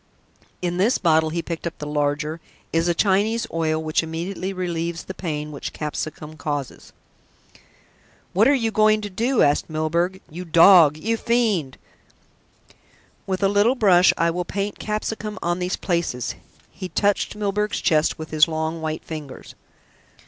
In this bottle," he picked up the larger, "is a Chinese oil which immediately relieves the pain which capsicum causes." "What are you going to do?" asked Milburgh, struggling. "You dog! You fiend!" "With a little brush I will paint capsicum on these places." He touched Milburgh's chest with his long white ringers.